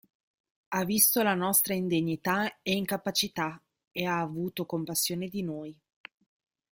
Ha visto la nostra indegnità e incapacità ed ha avuto compassione di noi.